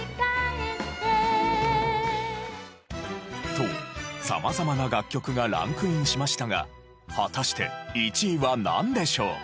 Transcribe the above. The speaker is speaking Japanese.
と様々な楽曲がランクインしましたが果たして１位はなんでしょう？